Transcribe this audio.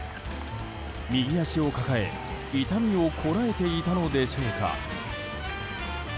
右足を抱え、痛みをこらえていたのでしょうか。